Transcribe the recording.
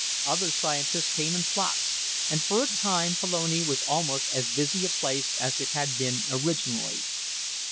Other scientists came in flocks, and for a time Pelone was almost as busy a place as it had been originally.